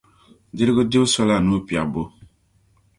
Dirigu dibu sola nuu piɛbbu.